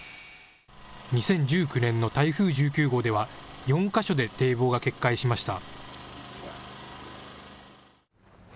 ２０１９年の台風１９号では４か所で堤防が決壊しました。